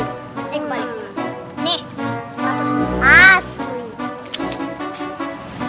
eh kembali kemana